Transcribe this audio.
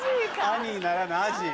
アニーならぬアジー。